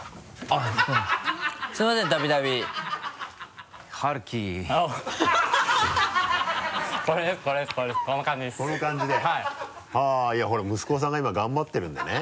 あっいやほら息子さんが今頑張ってるんでね。